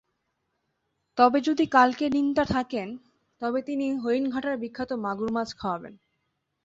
তবে যদি কালকের দিনটা থাকেন, তবে তিনি হরিণঘাটার বিখ্যাত মাগুর মাছ খাওয়াবেন।